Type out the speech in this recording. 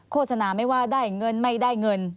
โฆษณาไม่ว่าได้เงินไม่ได้เงิน